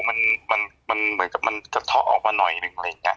มันเหมือนมันกระเทาะออกมาหน่อยหนึ่ง